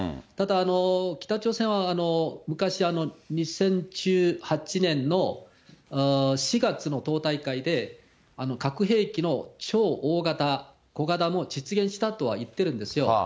ただ、北朝鮮は昔、２０１８年の４月の党大会で、核兵器の超大型、小型も実現したとは言ってるんですよ。